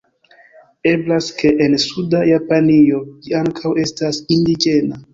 Eblas ke en suda Japanio ĝi ankaŭ estas indiĝena.